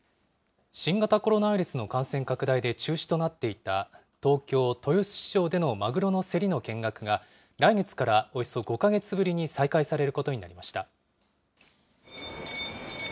新型コロナウイルスの感染拡大で中止となっていた、東京・豊洲市場でのマグロの競りの見学が、来月からおよそ５か月ぶりに再開されることになりました。